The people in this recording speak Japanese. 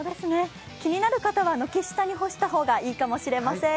気になる方は軒下に干した方がいいかもしれません。